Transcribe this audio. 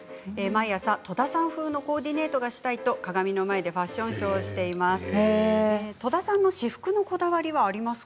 毎朝、戸田さん風のコーディネートがしたいと鏡の前でファッションショーをしています。